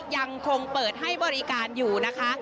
ยังคงเปิดให้บริการอยู่นะคะ